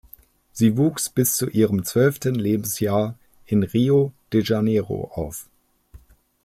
Sie wuchs bis zu ihrem zwölften Lebensjahr in Rio de Janeiro auf.